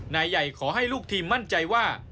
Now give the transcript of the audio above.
นายใหญ่ขอให้ลูกทีมมั่นใจว่า